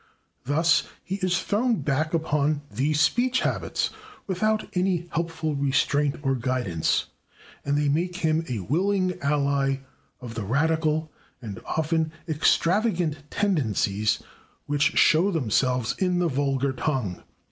Thus he is thrown back upon these speech habits without any helpful restraint or guidance, and they make him a willing ally of the radical and often extravagant tendencies which show themselves in the vulgar tongue.